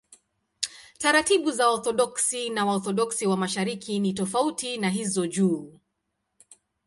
Taratibu za Waorthodoksi na Waorthodoksi wa Mashariki ni tofauti na hizo juu.